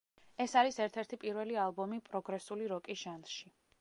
ეს არის ერთ-ერთი პირველი ალბომი პროგრესული როკის ჟანრში.